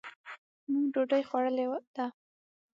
مونږ ډوډۍ خوړلې ده.